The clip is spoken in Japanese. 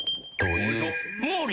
毛利。